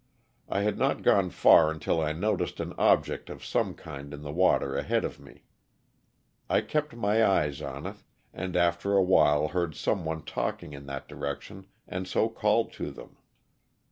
I had not gone far until I noticed an object of some kind in the water ahead of me. I kept my eyes on it, and after awhile heard some one talking in that direction and so called to them.